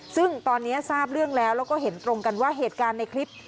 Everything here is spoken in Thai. ซึ่งตอนนี้ทราบเรื่องแล้วแล้วก็เห็นตรงกันว่าเหตุการณ์ในคลิป